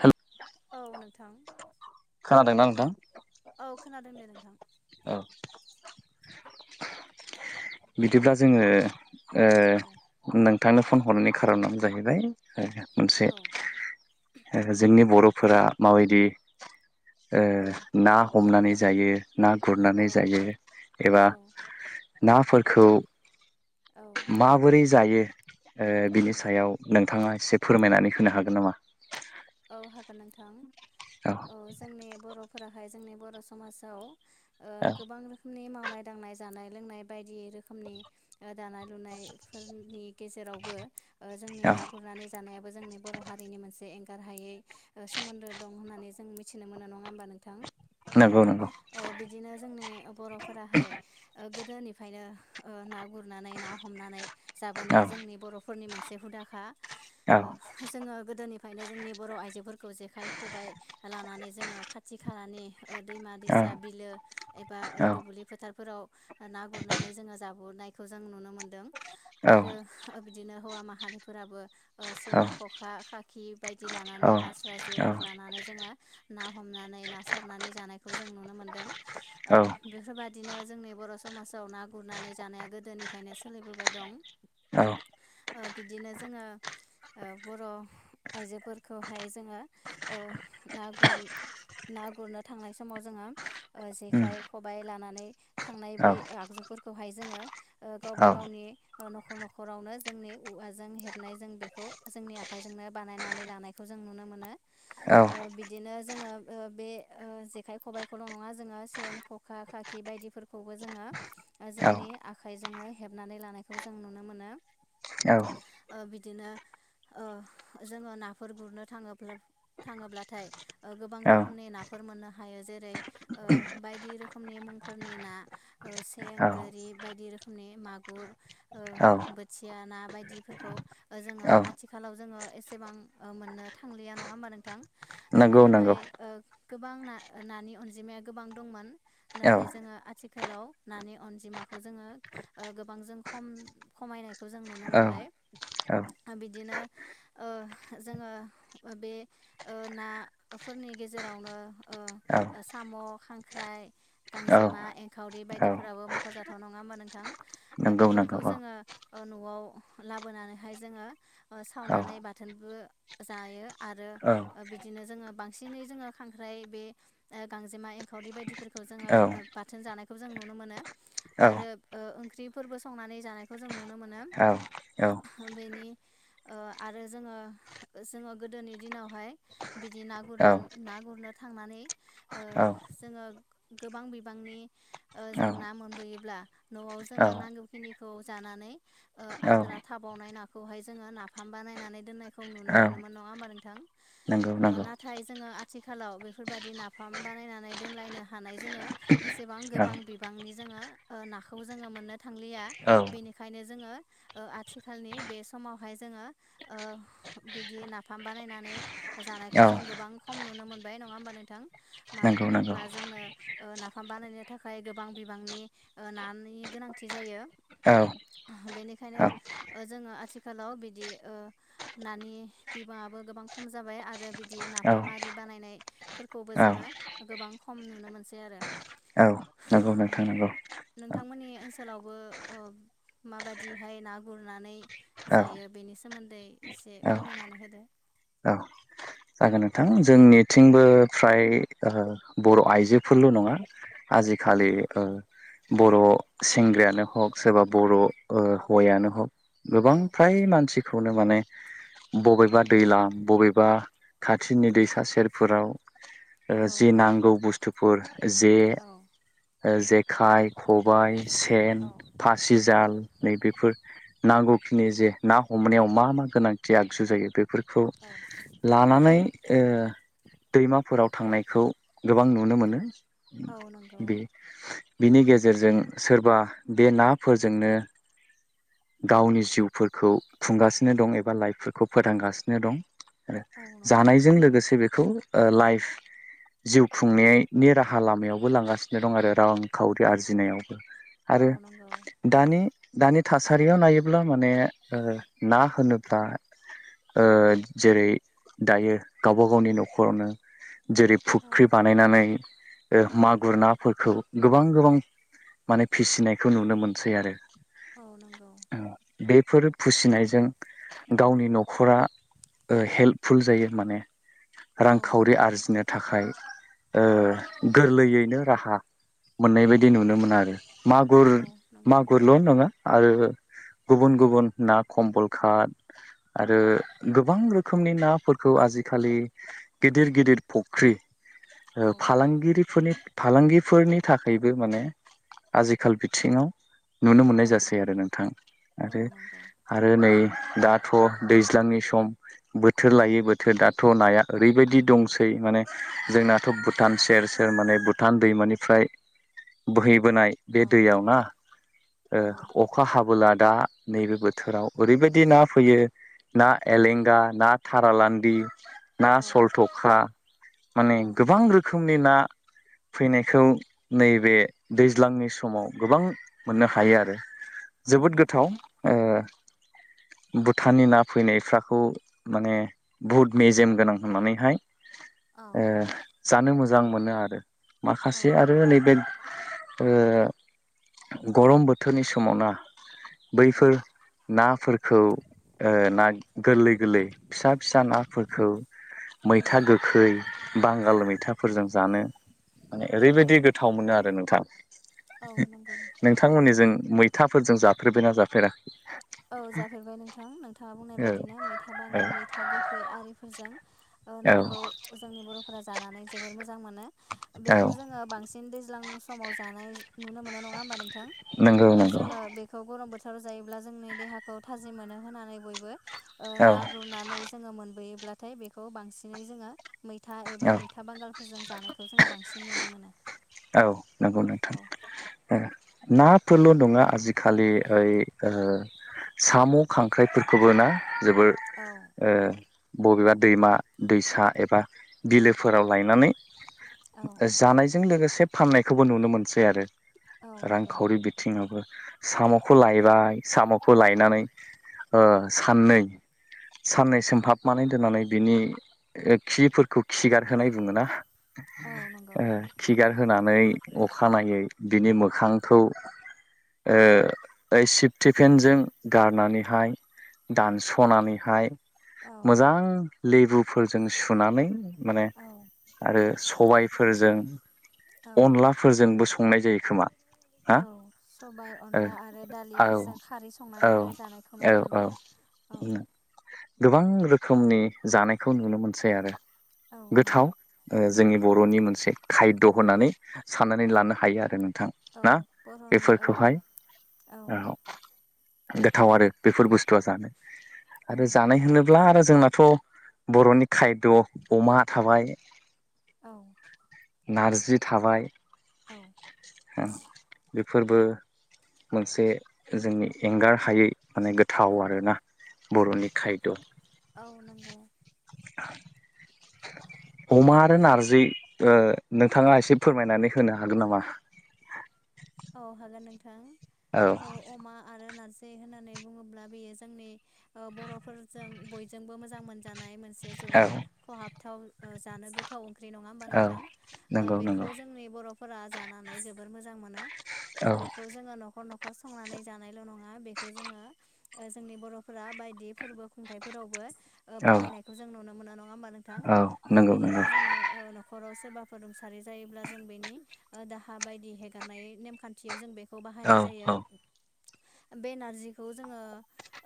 हेल' औ नोंथां खोनादोंना नोंथां? औ खोनादों दे नोंथां। औ बिदिब्ला जोङो ओ औ नोंनो फन हरनायनि खार'नानो जाहैबाय मोनसे औ ओ जोंनि बर'फोरा माबायदि ओ औ ना हमनानै जायो ना गुरनानै औ जायो एबा औ नाफोरखौ माबोरै जायो ओ औ बिनि सायाव नों नोंथाङा एसे फोरमायनानै होनो हागोन नामा? औ हागोन नोंथां औ ओ जोंनि बर'फोराहाय जोंनि बर' समाजाव ओ औ गोबां रोखोमनि मावनाय दांनाय जानाय लोंनाय बायदि रोखोमनि दानाय लुनायफोरनि गेजेरावबो ओ जोंनि औ ना गुरनानै जानाय जोंनि बर' हारिनि मोनसे एं गारहायै सोमोन्दो दं होननानै जों मिथिनो मोनो नङा होमबा नोंथां? नंगौ नंगौ ओ बिदिनो जोंनि बर'फोराहाय ओ गोदोनिफ्रायनो ओ ना गुरनानै ना हमनानै औ जाबोनाया जोंनि बर' फोरनि मोनसे हुदाखा औ जोङो गोदोनिफ्राय यनो जोंनि बर' आइजोफोरखौ जेखाइ खबाइ लानानै जोङो खाथि खालानि ओ दैमा औ दैसा बिलो एबा औ दुब्लि फोथार फोराव ना गुरनानै जोङो जाबोनायखौ जों नुनो मोनदों आरो औ बिदिनो हौवा माहारिफोराबो ओ सेन खखा खाखि बायदि औ लानानै आस्रा जेफोर लानानै जोङो ना हमनानै ना सारनानै जानायखौ जों नुनो मोनदों ओ औ बेफोरबादि बिदिनो जोंनि बर' समाजाव ना गुरनानै जानाया गोदोनिफ्रायनो सोलिबोबाय दं। औ ओ बिदिनो जोङो ओ बर' आइजोफोरखौहाय जोङो ओ ना गुर ना गुरनो थांनाय समाव जोङो उम जेखाइ खबाइ लानानै थांनाय औ बै आगजु फोरखौहाय जोङो गावबा औ गावनि न'खर न'खरावनो जोंनि औवाजों हेबनाय जों बे जोंनि आखाइजोंनो बानायनानै लानायखौ जों नुनो मोनो औ ओ बिदिनो जोङो ओ बे ओ जेखाय खब बायखौल' नङा जोङो सेन खखा खाखि बायदिफोरखौबो जोङो जोंनि आखायजोंनो हेबनानै लानायखौ जों नुनो मोनो औ ओ बिदिनो ओ जोङो नाफोर गुरनो थाङोब्ला थाङोब्लाथाय गोबां औ रोखोमनि नाफोर मोननो हायो। जेरै ओ बायदि रोखोमनि मुंफोरनि ना सें औ गोरि बायदि रोखोमनि। मागुर औ बोथिया ना बायदि जोङो औ आथिखालाव जोङो एसेबां मोननो थांलिया नङा होमबा नोंथां? नंगौ नंगौ गोदोहाय ओ गोबां ना-नानि अनजिमाया गोबां दंमोन औ नाथाय जोङो आथिखालाव नानि अनजिमा जोङो गोबां जों खम-खमायनायखौ जों नुनो औ मोनबाय। औ आ बिदिनो ओ जोङो बे ओ नाफोरनि गेजेरावनो ओ साम' खांख्राइ औ गांजेमा एंखावरि औ बायदिफोराबो मख'जाथाव नङा होमबा नोंथां? ओ नंगौ नंगौ बेफोरखौ औ जोङो ओ न'आव लाबोनानैहाय जोङो ओ औ सावनानै बाथोनबो जायो आरो औ बिदिनो जोङो बांसिनै जोङो खांख्राइ बे ओ गांजेमा एंखावरि बायदिफोरखौ औ जोङो ओ बाथोन जानायखौ जों नुनो मोनो औ आरो ओ ओंख्रिफोरबो संनानै जानायखौ जों नुनो मोनो बेनि ओ आरो जोङो जोङो गोदोनि दिनावहाय बिदि ना औ गुरनानै ना गुरनो थांनानै ओ औ जोङो गोबां बिबांनि ओ जों ना मोनबोयोब्ला न'वाव जोङो नांगौखिनिखौ जानानै ओ आद्रा थाबावनाय नाखौहाय जोङो नाफा म बानायनानै दोननायखौ नुनो औ मोनोमोन नङा होमबा नोंथां? नंगौ नंगौ नाथाय जोङो आथिखालाव बेफोरबाददि नाफाम बानायनानै दोनलायनो हानाय जोङो एसे सेबां औ गोबां बिबांनि जोङो ओ नाखौ जोङो मोननो थांलिया औ बेनिखायनो जोङो आथिखालनि बे समावहाय जोङो ओ बिदि नाफाम बानायनानै जानायखौ जों गोबां खम नुनो मोनबाय नङा होमबा नों नोंथां? मानो नंगौ नंगौ होनोब्ला जोंनो नाफाम बानायनो थाखाय गोबां बिबांनि ओ ना नि गोनांथि जायो। औ औ बेनिखायनो जोङो आथिखालाव बिदि ओ [inaudible] नानि बिबाङाबो गोबां खम जाबाय आरो बिदि नाफाम औ आरि बानायनायफोरखौबो औ जोङो गोबां खम नुनो मोनसै आरो। औ नंगौ नोंथां नांगौ। नोंथांमोननि ओनसोलावबो ओ माबादिहाय ना गुरनानै औ औ जायो बेनि सोमोन्दै एसे औ फोरमायनानै होदो? नोथां जोंनिथिंबो फ्राय बर' आइजोफोरल' नङा आजिखालि ओ बर' सेंग्रायानो हक सोरबा बर' हौवायानो हक गोबां औ फ्राय मानसिखौनो माने बबेबा दैलां बबेबा खा थिनि दैसा सेरफोराव औ जि नांगौ बुस्थुफोर जे औ जेखाइ, खबाय, सेन, फासिजाल नैबेफोर नांगौखिनि जे ना हमनायाव मा मा गोनांथि आगजु जायो। बे फोरखौ औ लानानै ओ दैमाफोराव थांनायखौ गोबां नुनो मोनो। औ नंगौ बे बिनि गेजेरजों सोरबा बे नाफोरजोंनो गावनि जिउफोरखौ खुंगासिनो दं एबा लाइफफोरखौ फोथांगासिनो दं। आरो औ नंगौ जानायजों लोगोसे बेखौ लाइफ जिउ खुंनायनि राहा लामायावबो लांगासिनो दं आरो रांखावरि आरजिनायाव। औ आरो नंगौ दानि दानि थासारियाव नायोब्ला माने ओ ना होनोब्ला ओ जेरै दायो गावबा गावनि न'खरावनो जेरै औ फुख्रि बानायनानै औ मागुर ओ नाफोरखौ गोबां गोबां माने फिसिनायखौ नुनो मोनसै आरो। औ नंगौ। बेफोर फिसिनायजों गावनि न'खरा ओ हेल्प फुल जायो माने। औ रांखावरि नंगौ आरजिनो थाखाय ओ औ गोरलैयैनो राहा मोननाय बायदि नुनो मोनो आरो। मागुर औ नंगौ मागुरल' नङा आरो गुबुन गुबुन ना कमलखात आरो गोबां रोखोमनि ना फोरखौ आजिखालि गिदिर गिदिर फख्रि ओ औ फालांगिरिफोरनि फालांगिफोरनि थाखायबो माने आजिखाल बिथिङाव नुनो मोननाय औ जासै आरो नोंथां। औ आरो नंगौ आरो नै दाथ' दैज्लांनि सम बो थोर लायो बोथोर दाथ' नाया ओरैबायदि दंसै। माने जोंनाथ' भुटान सेर सेर माने भुटान दैमानिफ्राय बोहै बोनाय औ बे दैयाव ना औ ओ अखा हाबोला दा नैबे बोथोराव ओरैबायदि ना फैयो। ना एलेंगा ना थारालान्दि ना औ सलथ'खा औ माने गोबां रो खोमनि ना फैनायखौ नैबे दैज्लांनि समाव गोबां मोननो हायो आरो। औ जोबोद नंगौ गोथाव ओ भुटाननि ना फैनायफ्राखौ माने बुहुद मेजेम गोनां होननानैहाय औ ओ जानो मोजां मोनो आरो। औ माखासे आरो नंगौ नैबे ओ गरम बोथोरनि समावना औ बैफोर नाफोरखौ ओ ना गोरलै गोरलै फिसा फिसा नाफोरखौ मैथा गोखै, बांगाल मैथाफोरजों जानो माने औ ओरैबायदि गोथाव मोनो आरो नोंथां। औ नंगौ नोंथांमोननिजों मैथाफोरजों जाफेरबायना जाफेरा? औ जाफेरबाय नोंथां, नोंथाङा बुंनाय औ बायदिनो मैथा बा बांगाल मैथा गोखै आरिफोरजों ओ औ नाखौ जोंनि बर'फोरा जानानै जोबोर मोजां मोनो। औ बेखौ जोङो बांसिन दैज्लां समाव जानाय नुनो मोनो नङा होमबा नोंथां। नंगौ ओ नंगौ जोङो बेखौ गरम बोथोराव जायोब्ला जोंनि देहाखौ थाजिम मोनो होननानै बयबो ओ औ ना गुरनानै जोङो मोनबोयो ब्लाथाय बेखौ बांसिनै जोङो मैथा एबा औ मैथा बांगालफोरजों जानायखौ जोङो बांसिन नुनो मोनो। औ नोंगौ नोंथां, औ ओ। नाफोरल' नङा आजिखालि ओइ ओ साम', खांख्राइफोरखौबो ना? जोबोर औ ओ बबेबा दैमा दैसा एबा बिलोफोराव लायनानै औ जानायजों लोगोसे फाननायखौबो नुनो मोनसै आरो। औ नंगौ रांखावरि बिथिङावबो। साम'खौ लायबाय, साम'खौ लायनानै ओ साननै साननै सोमहाबनानै दोननानै बिनि खिफोरखौ खिगारहोनाय बुङोना? औ नंगौ ओ खिगार होनानै अखानायै बिनि मोखांखौ ओ सिफटिफिनजों गारनानैहाय दानस'नानैहाय औ मोजां लेबुफोरजों सुनानै माने औ आरो स सबायफोरजों, औ अनलाफोरजोंबो संनाय जायो खोमा। हा औ सबाय, औ अनला आरो औ दालिफोरजों खारै संनानैबो जानायखौ औ नुनो मोनो। औ [inaudible] गोबां रोखोमनि जानायखौ नुनो मोनसै आरो औ नंगौ गोथाव। ओ जोंनि बर'नि मोनसे खायद' होनानै साननानै औ लानो हायो आरो नोंथां औ ना बर'नि औ बेफोरखौहाय? औ गोथाव आरो बेफोर बुस्थुआ जानो औ आरो जानाय होनो ब्ला आरो जोंनाथ' बर'नि खायद' अमा थाबाय। औ नारजि थाबाय। औ। फोरबो मोनसे जोंनि एंगारहायै माने गोथाव आरोना। बर'नि खायद'। औ नंगौ। अमा आरो नारजि, ओ नोंथाङा एसे फोरमायनानै होनो हागोन नामा? औ हागोन नोंथां। औ अमा आरो नारजि जे होननानै बुङोब्ला बेयो जोंनि ओ बर'फोरजों बयजोंबो मोजां मोन जानाय मोनसे औ जोबोर खहाबथाव ओ जानो गोथाव ओंख्रि, नङा होमबा औ नोंथां? ओ नंगौ बेखौ नंगौ जोंनि बर'फोरा जानानै जोबोर मोजां मोनो। औ बेखौ जोङो न' न'खर न'खर संनानै जानायल' नङा, बेखौ जोङो जोंनि बर'फोरा बायदि फोरबो खुंथाइफोर फोरावबो ओ औ बाहायनायखौ जों नुनो मोनो, नङा होमबा नोंथां? औ ओ नंगौ बिदिनो नंगौ जोङो ओ न'खराव सोरबाफोर रुंसारि जायोब्ला जों बेनि दाहा बायदि हेगारनाय नेमखान्थियाव जों बे खौ औ बाहायनाय जायो। औ बे नारजिखौ जोङो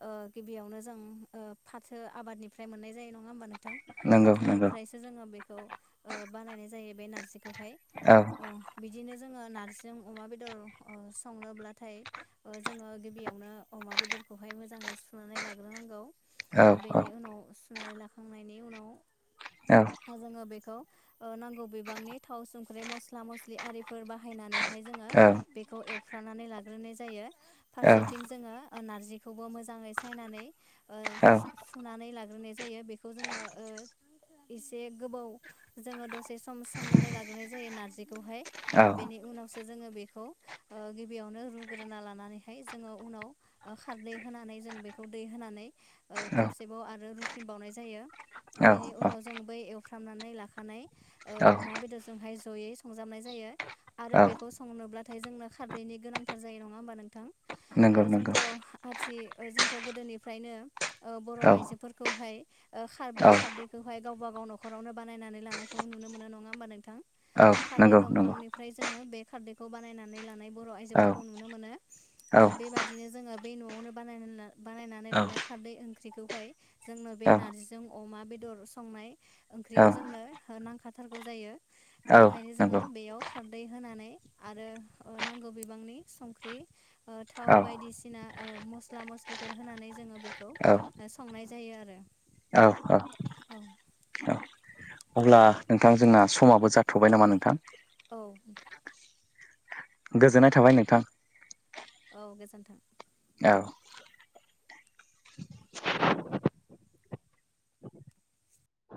ओ गिबियावनो जों ओ फाथो आबादनिफ्राय मोननाय जायो, नं नङा होनबा नोंथां? नंगौ नंगौ फाथनिफ्रायो जोङो बेखौ ओ बानायनाय जायो बे नारजि खौहाय। औ बिदिनो जोङो नारजिजों अमा बेदर ओ संनोब्लाथाय ओ जोङो गिबियावनो अमा बेदरखौहाय मोजाङै सुनानै लाग्रोनांगौ। औ ओ बेनि उनाव सुनानै लाखांनायनि औ उनाव जोङो बेखौ ओ नांगौ बिबांनि थाव, संख्रि, मस्ला-मस्लि आरिफोर बाहायनानै बेहाय जोङो औ बेखौ एवफ्रानानै लाग्रोनाय जायो। औ औ फारसेथिं जोङो ओ नारजिखौबो मोजाङै सायनानै ओ औ सुनानै लाग्रोनाय जायो बेखौ जोङो ओ इसे गोबाव जोङो दसे सम सोमनानै लाग्रोनाय जायो नारजि- खौहाय बेनि उनावसो जोङो बेखौ ओ गिबियावनो रुग्रोना लानानैहाय जोङो उनाव ओ खारदै होनानै जों बेखौ दै होनानै ओ खेबसेबाव आरो रुफिनबावनाय जायो बेनि उनाव जों बै एव- फ्रामनानै लाखानाय ओ औ अमा बेदरजोंहाय जयै संजाबनाय जायो। आरो औ बेखौ सङोब्लाथाय जोंनो खारदैनि गोनांथार जायो नङा होमबा नोंथां? ओ नंगौ नंगौ जोंथ' आथि- ओ जोंथ' गोदोनिफ्रायनो ओ बर' औ आइजोफोरखौहाय ओ खारदै औ खारदैखौहाय गावबा गाव नख'रावनो बानायनानै लानायखौ नुनो मोनो नङा होमबा नोंथां? औ थालिर नंगौ नंगौ दंफांनिफ्राय जोङो बे खारदैखौ बानायनानै लानाय बर' औ आइजोफोरखौ नुनो मोनो। औ ओ बेबायदिनो जोङो बै न'आवनो बानायना बानायनानै औ लानाय खारदै ओंख्रिखौहाय जोंनो बे नारजिजों अमा बेदर संनाय औ ओंख्रियाव जोंनो नांखाथारगौ जायो। औ बेनिखायनो जोङो नंगौ बेयाव खारदै होनानै आरो ओ नांगौ बिबांनि संख्रि ओ थाव औ बायदिसिना ओ मस्ला मस्लिफोर होनानै जोङो बेखौ औ संनाय जायो आरो। औ औ। औ अब्ला नोंथां जोंना समाबो जाथ'बाय नामा नोंथां। औ गोजोननाय थाबाय नोंथां। औ गोजोन्थों। औ